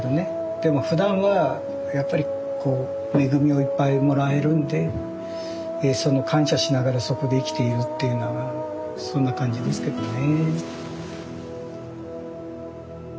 でもふだんはやっぱり恵みをいっぱいもらえるんでその感謝しながらそこで生きているっていうようなそんな感じですけどね。